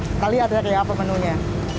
kalian lihat ya kayak apa menunya